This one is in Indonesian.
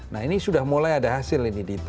nah ini sudah mulai ada hasil ini